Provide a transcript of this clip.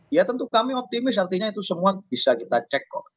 ya tentu kami optimis artinya itu semua bisa kita cek kok